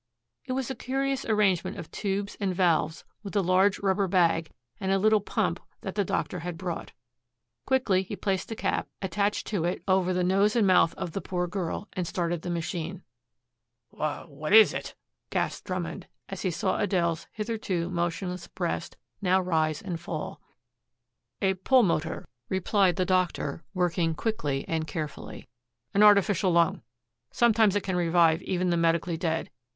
It was a curious arrangement of tubes and valves, with a large rubber bag, and a little pump that the doctor had brought. Quickly he placed a cap, attached to it, over the nose and mouth of the poor girl, and started the machine. "Wh what is it?" gasped Drummond as he saw Adele's hitherto motionless breast now rise and fall. "A pulmotor," replied the doctor, working quickly and carefully, "an artificial lung. Sometimes it can revive even the medically dead.